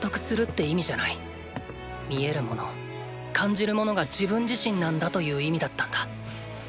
見えるもの感じるものが自分自身なんだという意味だったんだ。